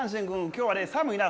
今日はねさむいな。